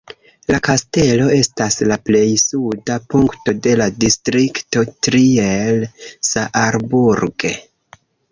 La kastelo estas la plej suda punkto de la distrikto Trier-Saarburg.